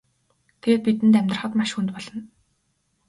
Тэгээд бидэнд амьдрахад маш хүнд болно.